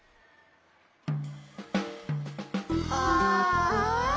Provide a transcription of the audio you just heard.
ああ。